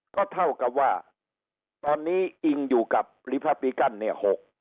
ก็เท่ากับว่าตอนนี้อิงอยู่กับรีพาปิกันเนี่ย